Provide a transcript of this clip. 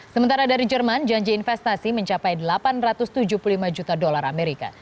sementara dari jerman janji investasi mencapai delapan ratus tujuh puluh lima juta dolar amerika